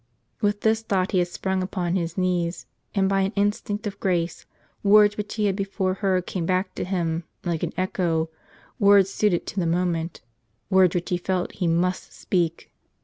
With this thought he had sprung upon his knees ; and by an instinct of grace words which he had before heard came back to him like an echo ; words suited to the moment ; words which he felt that he must speak.